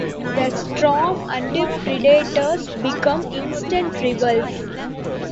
The Storm and Predators became instant rivals.